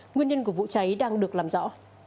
nguyên nhân của vụ cháy đang được làm rõ